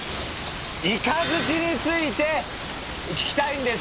イカズチについて訊きたいんですけど。